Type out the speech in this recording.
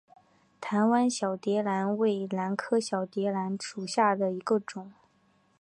台湾小蝶兰为兰科小蝶兰属下的一个种。